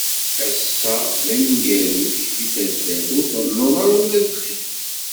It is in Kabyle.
Ass-a i d aneggaru-k di taddart, ur trennuḍ ara ula d dqiqa.